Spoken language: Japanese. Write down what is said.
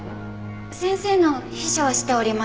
先生の秘書をしております